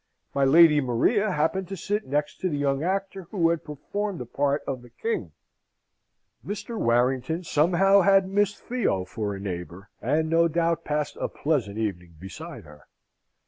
My Lady Maria happened to sit next to the young actor who had performed the part of the King. Mr. Warrington somehow had Miss Theo for a neighbour, and no doubt passed a pleasant evening beside her.